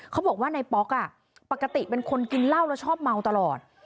เขาบอกว่านายป๊อกปกติเป็นคนกินเหล้าแล้วชอบเมาตลอด